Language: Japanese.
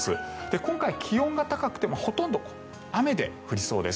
今回、気温が高くてもほとんど雨で降りそうです。